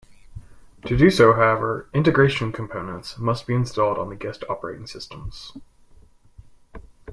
To do so however, "integration components" must be installed on the guest operating systems.